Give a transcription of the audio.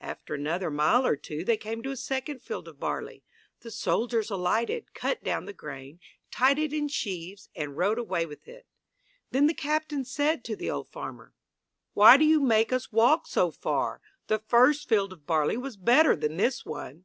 After another mile or two they came to a second field of barley. The soldiers alighted, cut down the grain, tied it in sheaves, and rode away with it. Then the captain said to the old farmer: "Why did you make us walk so far? The first field of barley was better than this one."